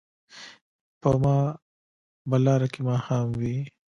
په ما به لاره کې ماښام وي